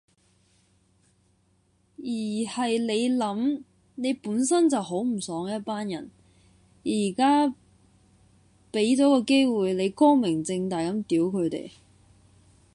而係你諗，你本身就好唔爽一班人，而家畀咗個機會你光明正大噉屌佢哋